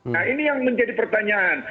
nah ini yang menjadi pertanyaan